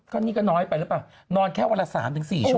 ก็นี่ก็น้อยไปหรือเปล่านอนแค่วันละ๓๔ชั